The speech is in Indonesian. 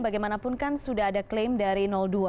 bagaimanapun kan sudah ada klaim dari dua